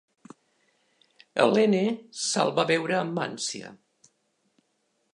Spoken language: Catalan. Helene se'l va veure amb ànsia.